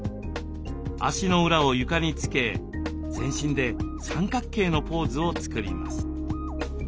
足の裏を床につけ全身で三角形のポーズを作ります。